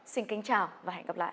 xin kính chào và hẹn gặp lại